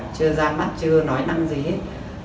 chưa ra mắt chưa nói năng gì hết